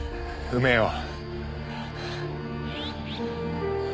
埋めよう。